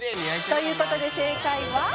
「という事で正解は」